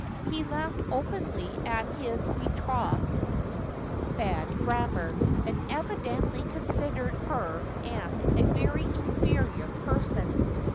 He laughed openly at his betrothed's bad grammar, and evidently considered her aunt a very inferior person.